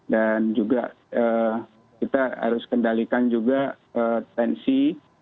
dan juga kita harus kendalikan juga tensi